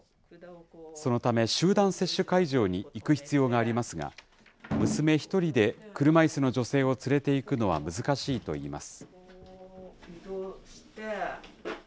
そのため、集団接種会場に行く必要がありますが、娘１人で車いすの女性を連れていくのは難しいといいます。